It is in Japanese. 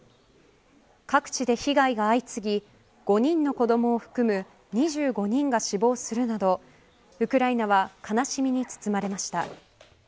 各地で被害が相次ぎ５人の子どもを含む２５人が死亡するなどウクライナは悲しみに包まれました。